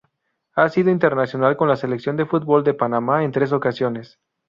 Ha sido internacional con la Selección de fútbol de Panamá en tres ocasiones.